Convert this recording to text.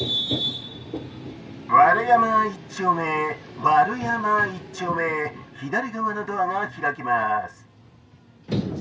「ワル山一丁目ワル山一丁目左側のドアが開きます」。